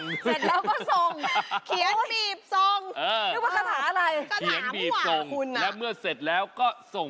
คาถาที่สำหรับคุณ